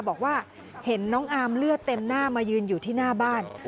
บอกว่าเห็นน้องอาร์มเลือดเต็มหน้ามายืนอยู่ที่หน้าบ้าน